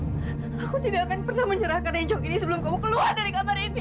aku tidak akan pernah menyerahkan rencok ini sebelum kamu keluar dari kamar epi